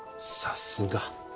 さすが。